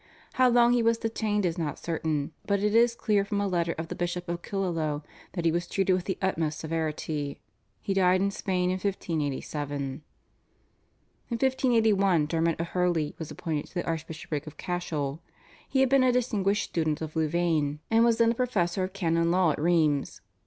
How long he was detained is not certain, but it is clear from a letter of the Bishop of Killaloe that he was treated with the utmost severity. He died in Spain in 1587. In 1581 Dermot O'Hurley was appointed to the Archbishopric of Cashel. He had been a distinguished student of Louvain, and was then a professor of Canon Law at Rheims.